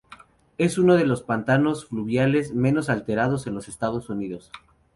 Es uno de los pantanos fluviales menos alterados en los Estados Unidos.